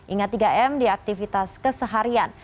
ingat tiga m di aktivitas keseharian